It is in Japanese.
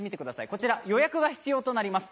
こちら、予約が必要となります。